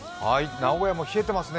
名古屋も冷えてますね。